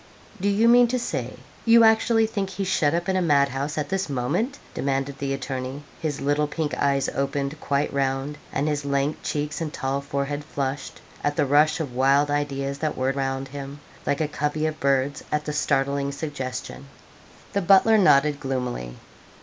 'Do you mean to say you actually think he's shut up in a madhouse at this moment?' demanded the attorney; his little pink eyes opened quite round, and his lank cheeks and tall forehead flushed, at the rush of wild ideas that whirred round him, like a covey of birds at the startling suggestion. The butler nodded gloomily.